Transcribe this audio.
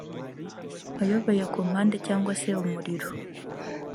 wayobeye ku mpande cyangwa se umuriro